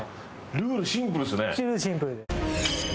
ルールシンプルですね。